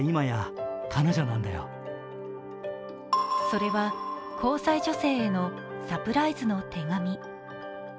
それは交際女性へのサプライズの手紙。